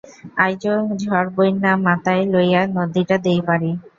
আইজো ঝড় বইন্না মাতায় লইয়া নদীডা দেই পাড়ি।।